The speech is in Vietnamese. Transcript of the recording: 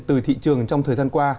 từ thị trường trong thời gian qua